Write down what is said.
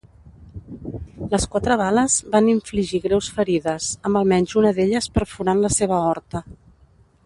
Les quatre bales van infligir greus ferides, amb almenys una d'elles perforant la seva aorta.